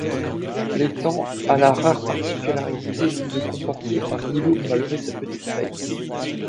L'étang a la rare particularité de comporter un îlot, malgré sa petite taille.